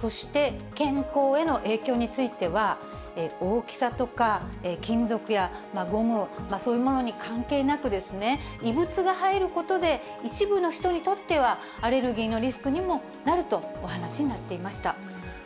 そして、健康への影響については、大きさとか、金属とかゴム、そういうものに関係なく、異物が入ることで一部の人にとっては、アレルギーのリスクにもなるとお話になっていました。